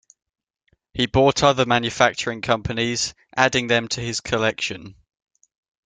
He bought other manufacturing companies, adding them to his collection.